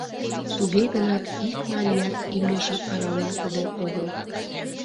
Туге гынат ик марият имньыжым арален коден огыл...